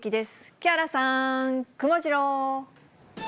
木原さん、くもジロー。